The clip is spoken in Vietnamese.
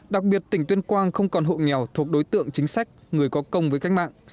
đặc biệt tỉnh tuyên quang không còn hộ nghèo thuộc đối tượng chính sách người có công với cách mạng